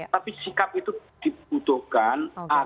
tapi sikap itu dibutuhkan agar kredibilitas masyarakat